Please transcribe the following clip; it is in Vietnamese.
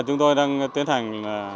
chúng tôi đang tiến hành